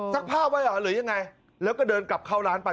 ผ้าไว้เหรอหรือยังไงแล้วก็เดินกลับเข้าร้านไป